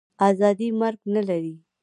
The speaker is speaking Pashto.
آزادي مرګ نه لري.